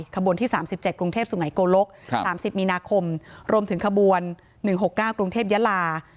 ขบวนที่๓๗กรุงเทพสุไงโกลก๓๐มีนาคมรวมถึงขบวน๑๖๙กรุงเทพยาลา